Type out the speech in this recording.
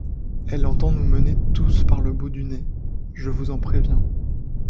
Elle entend nous mener tous par le bout du nez, je vous en préviens.